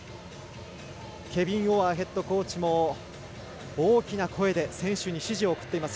ケビン・オアーヘッドコーチも大きな声で選手に指示を送っています。